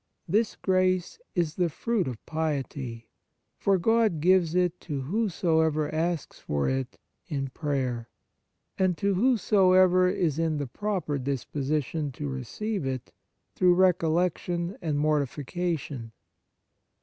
This grace is the fruit of piety, for God gives it to whosoever asks for it in prayer, and to whosoever is in the proper disposition to receive it through recollection and mortifica tion.